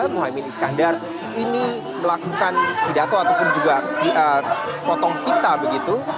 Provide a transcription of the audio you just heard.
muhaymin iskandar ini melakukan pidato ataupun juga potong pita begitu